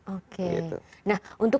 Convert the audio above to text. oke nah untuk